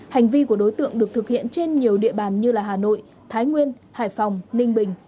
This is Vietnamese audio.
hành vi của đối tượng được thực hiện trên nhiều địa bàn như hà nội thái nguyên hải phòng ninh bình